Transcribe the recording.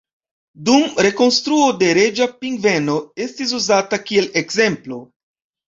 Dum rekonstruo la reĝa pingveno estis uzata kiel ekzemplo.